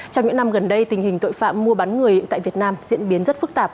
trong những năm gần đây tình hình tội phạm mua bán người tại việt nam diễn biến rất phức tạp